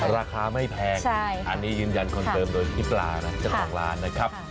ราคาไม่แพงอันนี้ยืนยันคอนเติมโดยพี่ปลานะเจ้าของร้านนะครับ